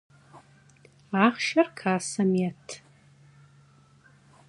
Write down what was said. Axhşşer kassem yêt!